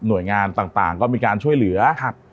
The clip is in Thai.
โดยงานต่างก็มีการช่วยเหลือ